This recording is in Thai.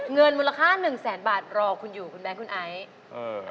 เงินมูลค่า๑แสนบาทรอคุณอยู่คุณแบ๊กคุณไอท์